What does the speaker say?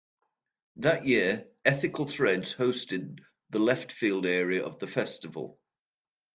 That year, Ethical Threads hosted The Left Field area of the festival.